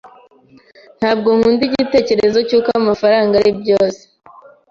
Ntabwo nkunda igitekerezo cy'uko amafaranga ari byose.